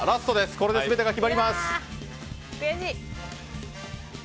これですべてが決まります。